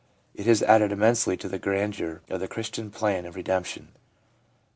It has added immensely to the grandeur of the Christian plan of redemption.